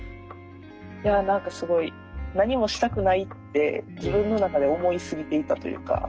いや何かすごい何もしたくないって自分の中で思いすぎていたというか。